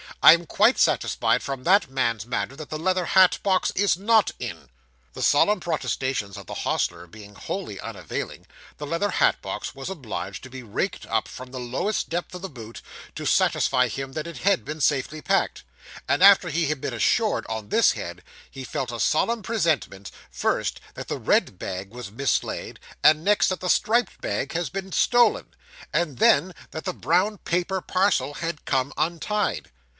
I am quite satisfied from that man's manner, that the leather hat box is not in.' The solemn protestations of the hostler being wholly unavailing, the leather hat box was obliged to be raked up from the lowest depth of the boot, to satisfy him that it had been safely packed; and after he had been assured on this head, he felt a solemn presentiment, first, that the red bag was mislaid, and next that the striped bag had been stolen, and then that the brown paper parcel 'had come untied.